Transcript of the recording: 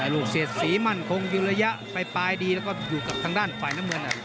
ลูกเสียดสีมั่นคงอยู่ระยะปลายดีแล้วก็อยู่กับทางด้านฝ่ายน้ำเงิน